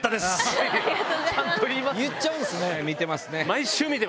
言っちゃうんすね。